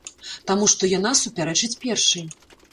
Таму што яна супярэчыць першай.